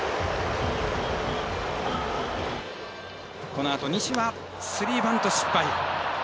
このあと、西はスリーバント失敗。